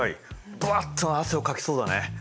ブワッと汗をかきそうだね。